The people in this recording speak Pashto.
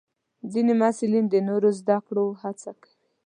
ځینې محصلین د نوو زده کړو هڅه کوي.